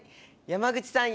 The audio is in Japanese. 山口さん